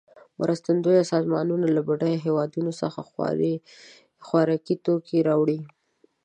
مرستندویه سازمانونه له بډایه هېوادونو څخه خوارکي توکې راوړي.